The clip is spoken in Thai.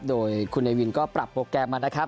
โดยคุณเนวินก็ปรับโปรแกรมมานะครับ